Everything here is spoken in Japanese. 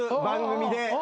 番組で。